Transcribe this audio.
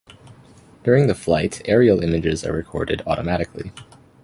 During the flight aerial images are recorded automatically.